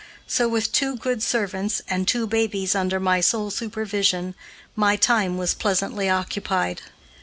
So, with two good servants and two babies under my sole supervision, my time was pleasantly occupied.